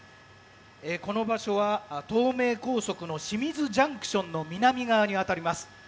この場所は東名高速の清水ＪＣＴの南側に当たります。